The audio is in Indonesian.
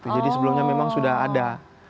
jadi sebelumnya memang sudah ada